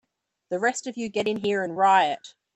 The rest of you get in here and riot!